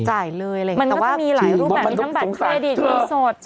จ่ายเลยอะไรอย่างเงี้ยมันก็จะมีหลายรูปแบบมีทั้งบัตรเครดิตหรือสด